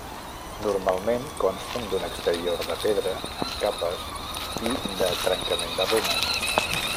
Normalment consten d’un exterior de pedra en capes i de trencament de runes.